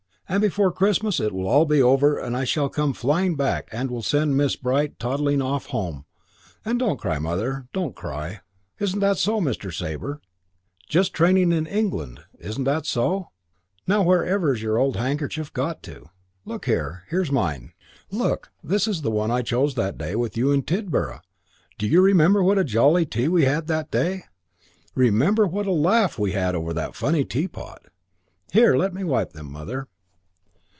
And before Christmas it will all be over and I shall come flying back and we'll send Miss Bright toddling off home and Don't cry, Mother. Don't cry, Mother. Isn't that so, Sabre? Just training in England. Isn't that so? Now wherever's your old handkerchief got to? Look here; here's mine. Look, this is the one I chose that day with you in Tidborough. Do you remember what a jolly tea we had that day? Remember what a laugh we had over that funny teapot. There, let me wipe them, Mother...."